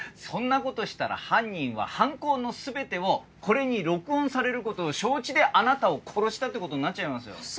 そんなことしたら犯人は犯行の全てをこれに録音されることを承知であなたを殺したってことになっちゃいますよ。